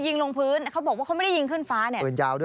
ยิงลงพื้นเขาบอกว่าเขาไม่ได้ยิงขึ้นฟ้าเนี่ย